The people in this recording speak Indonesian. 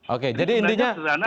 oke jadi intinya mas arief